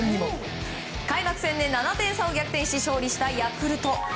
開幕戦で７点差を逆転し、勝利したヤクルト。